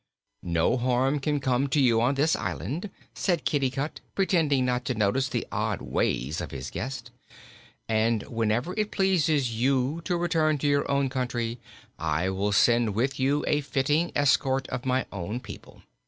"No harm can come to you on this island," said Kitticut, pretending not to notice the odd ways of his guest. "And, whenever it pleases you to return to your own country, I will send with you a fitting escort of my own people.